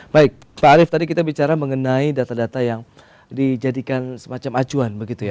baik pak arief tadi kita bicara mengenai data data yang dijadikan semacam acuan begitu ya